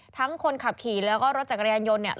คนขับขี่แล้วก็รถจักรยานยนต์เนี่ย